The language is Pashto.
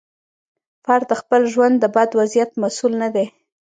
فرد د خپل ژوند د بد وضعیت مسوول نه دی.